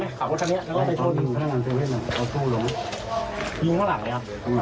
เห็นเขาควั้นหน้าคุกหน้าผมด้วยรองเท้าผมติดเสื้อผมเอาผมไปกระทืบเขาด้วยอ่ะ